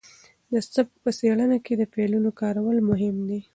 د سبک په څېړنه کې د فعلونو کارول مهم دي.